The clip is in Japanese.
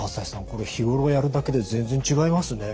これ日頃やるだけで全然違いますね。